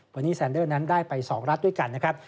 วันนี้แซนเดอร์นั้นได้ไป๒รัฐด้วยกันนะครับ